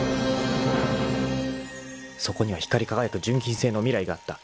［そこには光り輝く純金製の未来があった］